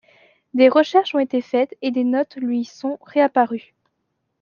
Des recherches ont été faites et des notes sur lui sont réapparues.